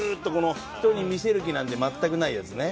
人に見せる気なんて全くないやつね。